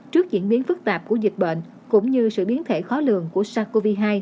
trước diễn biến phức tạp của dịch bệnh cũng như sự biến thể khó lường của sars cov hai